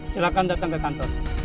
silahkan datang ke kantornya